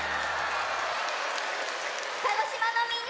鹿児島のみんな！